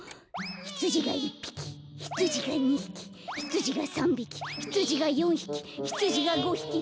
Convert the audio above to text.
ひつじが１ぴきひつじが２ひきひつじが３びきひつじが４ひきひつじが５ひきひつじが６ぴき。